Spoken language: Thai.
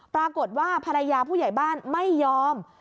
ปรากฏว่าภรรยาผู้ใหญ่บ้านไม่ยอม